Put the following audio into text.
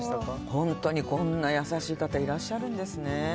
本当にこんな優しい方いらっしゃるんですね。